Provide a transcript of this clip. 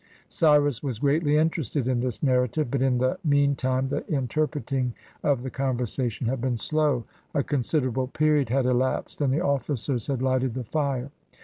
Cyrus was greatly interested in this narrative; but, in the mean time, the interpreting of the conversation had been slow, a considerable period had elapsed, and the ofl&cers had lighted the fire.